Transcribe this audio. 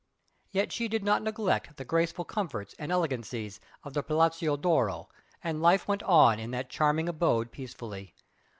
Yet she did not neglect the graceful comforts and elegancies of the Palazzo d'Oro, and life went on in that charming abode peacefully.